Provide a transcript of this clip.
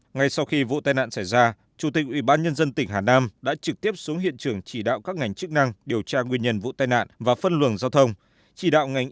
ngay sau khi vụ tai nạn xảy ra chủ tịch ubnd tỉnh hà nam đã trực tiếp xuống hiện trường chỉ đạo các ngành chức năng điều tra nguyên nhân vụ tai nạn và phân luồng giao thông chỉ đạo ngành y tế bố trí người và phương tiện cấp cứu các nạn nhân tai nạn giao thông